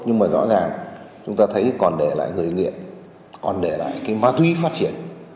nhưng mà rõ ràng chúng ta thấy còn để lại người nghiện còn để lại cái ma túy phát triển